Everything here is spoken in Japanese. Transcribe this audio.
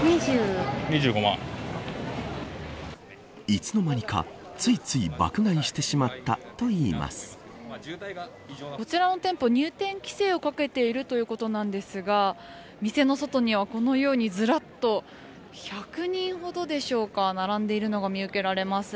いつの間にかつい爆買いをしてしまったとこちらの店舗、入店規制をかけているということですが店の外にはこのようにずらっと１００人ほどでしょうか並んでいるのが見受けられます。